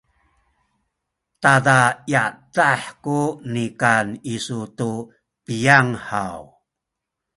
tada yadah ku nikan isu tu piyang haw?